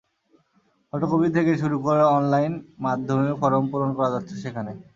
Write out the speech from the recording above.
Photocopy থেকে শুরু করে অনলাইন মাধ্যমেও ফরম পূরণ করা যাচ্ছে সেখানে।